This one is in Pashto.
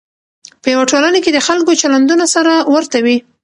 په یوه ټولنه کې د خلکو چلندونه سره ورته وي.